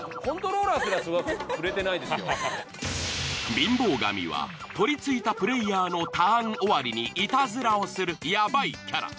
貧乏神はとりついたプレイヤーのターン終わりにいたずらをするヤバいキャラ。